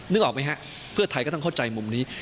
ออกไหมฮะเพื่อไทยก็ต้องเข้าใจมุมนี้